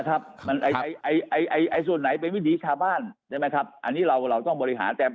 ไอ้ส่วนไหนเป็นวิธีขาบ้านอันนี้เราต้องบริหาร